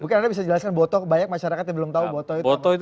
bukan anda bisa jelaskan botoh banyak masyarakat yang belum tahu botoh itu